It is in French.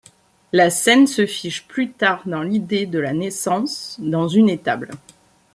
La scène se fige plus tard dans l'idée de la naissance dans une étable.